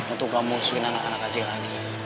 untuk kamu harus minum anak anak aja lagi